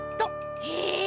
へえ！